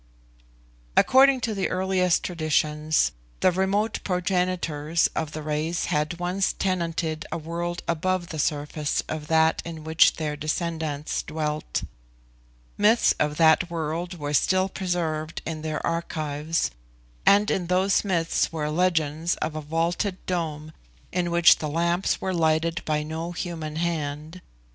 According to the earliest traditions, the remote progenitors of the race had once tenanted a world above the surface of that in which their descendants dwelt. Myths of that world were still preserved in their archives, and in those myths were legends of a vaulted dome in which the lamps were lighted by no human hand.